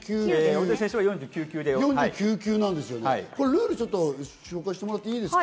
大谷選手も４９球、ルールを紹介してもらっていいですか？